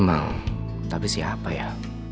memang tapi siapa ya